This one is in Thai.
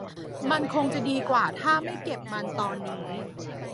มันคงจะดีกว่าถ้าไม่เก็บมันตอนนี้